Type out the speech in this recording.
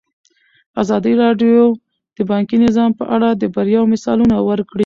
ازادي راډیو د بانکي نظام په اړه د بریاوو مثالونه ورکړي.